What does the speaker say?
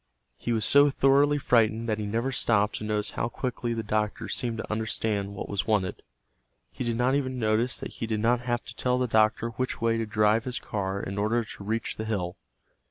He was so thoroughly frightened that he never stopped to notice how quickly the doctor seemed to understand what was wanted. He did not even notice that he did not have to tell the doctor which way to drive his car in order to reach the hill.